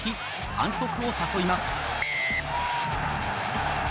反則を誘います。